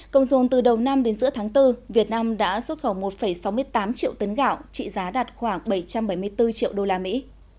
công dồn từ đầu năm đến giữa tháng bốn việt nam đã xuất khẩu một sáu mươi tám triệu tấn gạo trị giá đạt khoảng bảy trăm bảy mươi bốn triệu đô la mỹ